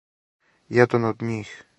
Један од њих.